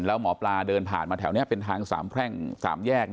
แล้วหมอปลาเดินผ่านมาแถวนี้เป็นทางสามแพร่ง๓แยก